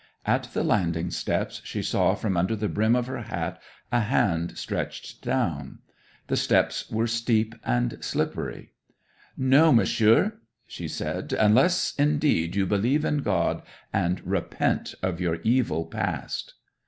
At the landing steps she saw from under the brim of her hat a hand stretched down. The steps were steep and slippery. '"No, Monsieur," she said. "Unless, indeed, you believe in God, and repent of your evil past!"